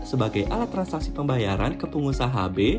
sebagai alat transaksi pembayaran ke pengusaha hb